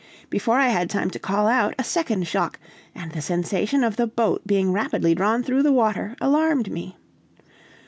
Before I had time to call out, a second shock, and the sensation of the boat being rapidly drawn through the water, alarmed me.